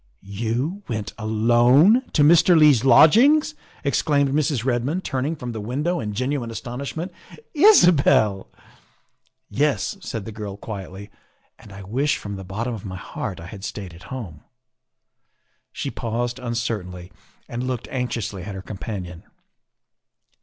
'' You went, alone, to Mr. Leigh 's lodgings !" ex claimed Mrs. Redmond, turning from the window in genuine astonishment. " Isabel!" " Yes," said the girl quietly, " and I wish from the bottom of my heart I had stayed at home. '' She paused uncertainly and looked anxiously at her companion.